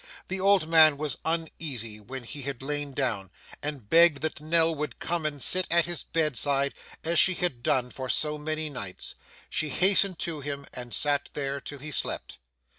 The old man was uneasy when he had lain down, and begged that Nell would come and sit at his bedside as she had done for so many nights. She hastened to him, and sat there till he slept.